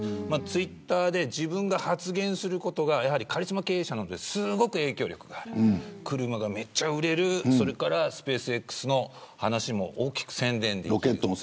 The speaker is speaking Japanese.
ツイッターで自分が発言することがカリスマ経営者なのですごく影響力がある車がめっちゃ売れるそれからスペースＸの話も大きく宣伝できる。